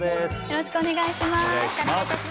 よろしくお願いします。